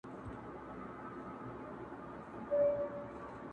قاسم یاره وې تله که د خدای خپل سوې